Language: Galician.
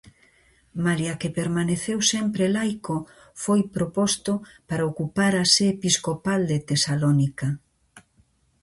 Malia que permaneceu sempre laico, foi proposto para ocupar a sé episcopal de Tesalónica.